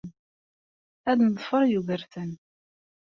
Ad neḍfer Yugurten.